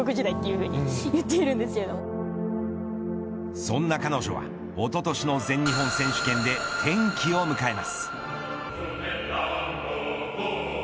そんな彼女はおととしの全日本選手権で転機を迎えます。